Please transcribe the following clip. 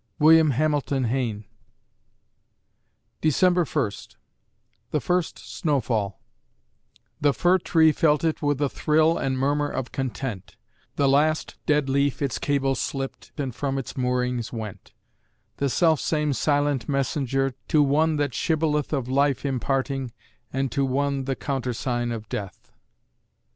WILLIAM HAMILTON HAYNE December First THE FIRST SNOW FALL The Fir tree felt it with a thrill And murmur of content; The last dead Leaf its cable slipt And from its moorings went; The selfsame silent messenger, To one that shibboleth Of Life imparting, and to one, The countersign of Death.